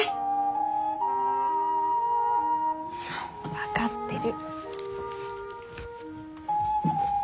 分かってる。